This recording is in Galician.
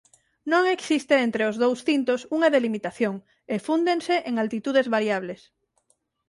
Non existe entre os dous cintos unha delimitación e fúndense en altitudes variables.